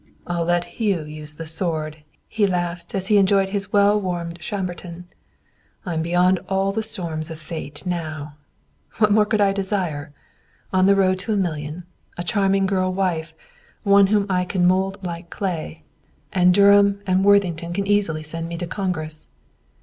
"I'll let Hugh use the sword," he laughed, as he enjoyed his well warmed Chamberton. "I am beyond all the storms of Fate now. "What more could I desire? On the road to a million, a charming girl wife, one whom I can mould like clay, and Durham and Worthington can easily send me to Congress."